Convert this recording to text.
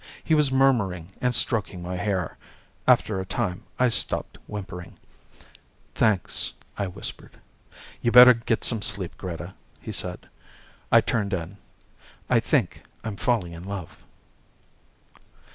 He was murmuring and stroking my hair. After a time, I stopped whimpering. [Illustration: Illustrated by STONE] "Thanks," I whispered. "You'd better get some sleep, Greta," he said. I turned in. I think I'm falling in love.